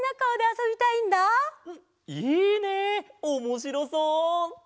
おもしろそう！